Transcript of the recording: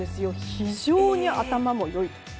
非常に頭も良い。